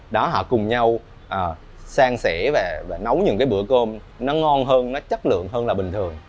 đó họ cùng nhau sang sẻ và nấu những cái bữa cơm nó ngon hơn nó chất lượng hơn là bình thường